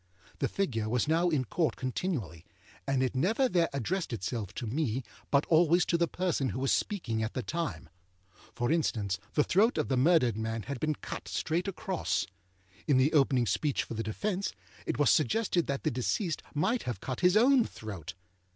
The figure was now in Court continually, and it never there addressed itself to me, but always to the person who was speaking at the time. For instance: the throat of the murdered man had been cut straight across. In the opening speech for the defence, it was suggested that the deceased might have cut his own throat.